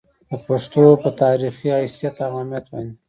د پښتو پۀ تاريخي حېثيت او اهميت باندې